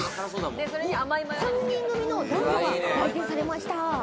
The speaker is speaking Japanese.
３人組の男女が来店されました。